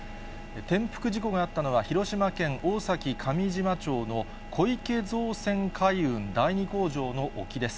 転覆事故があったのは広島県大崎上島町の小池造船海運・第二工場の沖です。